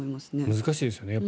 難しいですよね。